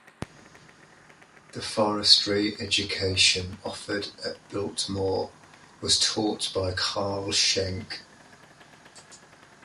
The Forestry Education offered at Biltmore was taught by Carl Schenk.